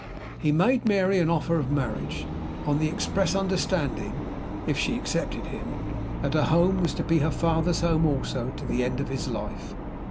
He made Mary an offer of marriage; on the express understanding (if she accepted him) that her home was to be her father's home also to the end of his life.